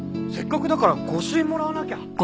せっかくだから御朱印もらわなきゃ！